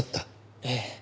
ええ。